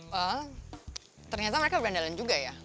soalnya ternyata mereka berandalan juga ya